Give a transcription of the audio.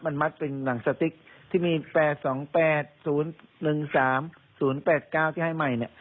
มันมัดเป็นหนังสติกที่มีแปดสองแปดศูนย์หนึ่งสามศูนย์แปดเก้าที่ให้ใหม่เนี้ย